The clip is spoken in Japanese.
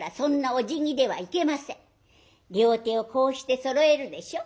両手をこうしてそろえるでしょ。